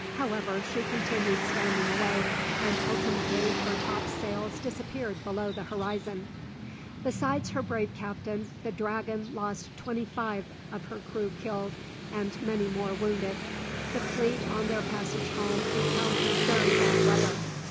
However she continued standing away, and ultimately her topsails disappeared below the horizon. Besides her brave captain, the "Dragon" lost twenty five of her crew killed, and many more wounded. The fleet on their passage home encountered very bad weather.